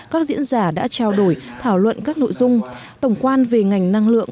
các diễn giả đã trao đổi thảo luận các nội dung tổng quan về ngành năng lượng